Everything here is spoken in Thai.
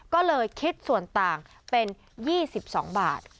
ก็เลยคิดส่วนต่างเป็น๒๒บาท